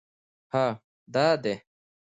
_هه! دا دی!